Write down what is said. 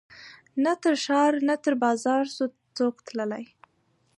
نه تر ښار نه تر بازاره سو څوک تللای